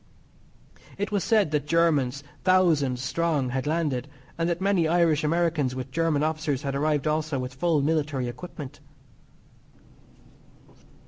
It was said that Germans, thousands strong, had landed, and that many Irish Americans with German officers had arrived also with full military equipment.